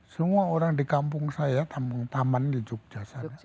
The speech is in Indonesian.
semua orang di kampung saya tampung taman di jogja sana